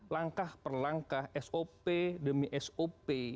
langkah per langkah sop demi sop